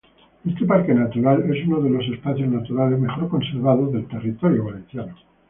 Este parque natural es uno de los espacios naturales mejor conservados del territorio valenciano.